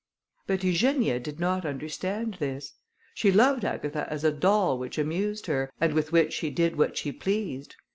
But Eugenia did not understand this. She loved Agatha as a doll which amused her, and with which she did what she pleased.